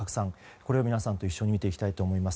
これを皆さんと一緒に見ていきたいと思います。